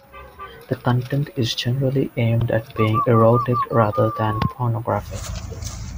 The content is generally aimed at being erotic rather than pornographic.